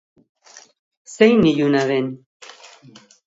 Zein iluna den!